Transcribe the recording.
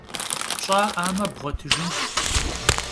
Pş'a'ame bğuetıjjınş.